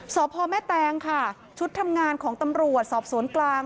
สพแม่แตงค่ะชุดทำงานของตำรวจสอบสวนกลาง